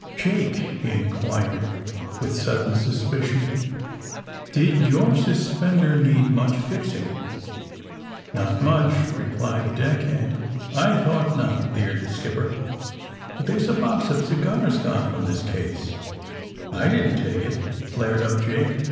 *'Jake," he inquired, with sudden suspicion, ^* did your suspender need much fixing 1 '' Not much, '' replied the deck hand. I thought not," leered the skipper. ^^But there's a box of cigars gone from this case." ^^I didn't take it," flared up Jake.